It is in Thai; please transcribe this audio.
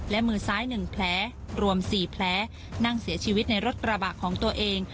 และมือซ้าย๑แผลรวม๔แผลนั่งเสียชีวิตในรถกระบะของตัวเอง